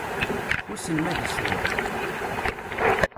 Wissen ma ad issewweq?